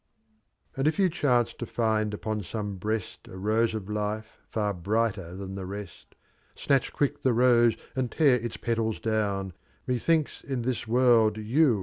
And If You chance to find upon some A Rase of Life far brighter than the nestj — Snatch quick the Rose aud tear Its Petals dm‚Ñ¢, Methinkg, in this World, You.